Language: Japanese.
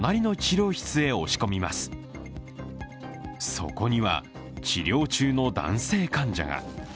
そこには治療中の男性患者が。